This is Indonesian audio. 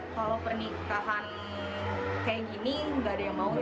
kalau pernikahan kayak gini nggak ada yang mau